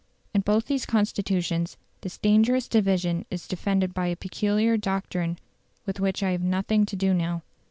In both these Constitutions, this dangerous division is defended by a peculiar doctrine with which I have nothing to do now.